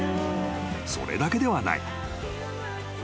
［それだけではない］